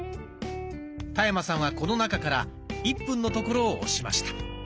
田山さんはこの中から１分のところを押しました。